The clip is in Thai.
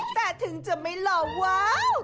แต่ถึงจะไม่หล่อว้าว